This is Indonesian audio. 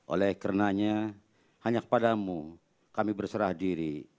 oleh karenanya hanya kepada mu kami berserah diri